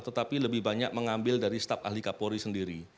tetapi lebih banyak mengambil dari staff ahli kaporri sendiri